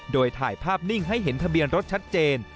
โดยถ่ายภาพนิ่งให้เห็นทะเบียนรถชัดเจน